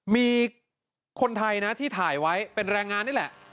มีคนไทยนะที่ถ่ายไว้เป็นแรงงานนี่แหละ